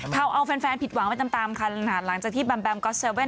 เขาเอาแฟนผิดหวังไว้ตามค่ะหลังหลังจากที่แบมแบมก็เซเว่น